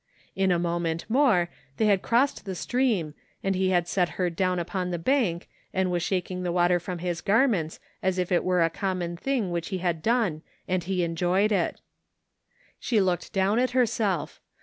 In a moment more they had crossed the stream, and he had set her down upon the bank and was shaking the water 63 THE FINDING OF JASPEE HOLT from his garments as if it were a common thing which he had done and he enjoyed it. She looked down at herself.